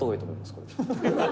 これ」